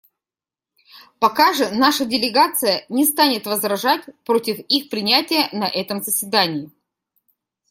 Пока же наша делегация не станет возражать против их принятия на этом заседании.